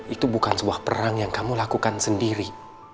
itu bukan sebuah perang yang kamu lakukan sendiri